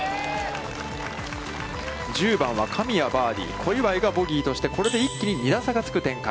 １８は神谷バーディー、小祝がボギーとして、これで一気に２打差がつく展開。